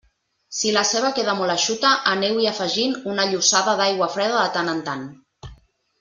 Si la ceba queda molt eixuta, aneu-hi afegint una llossada d'aigua freda de tant en tant.